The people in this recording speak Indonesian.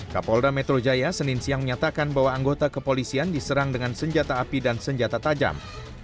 kapolda metro jaya senin siang menyatakan bahwa anggota kepolisian diserang dengan senjata api dan senjata tajam